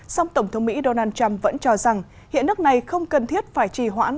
song tổng thống mỹ donald trump vẫn cho rằng hiện nước này không cần thiết phải trì hoãn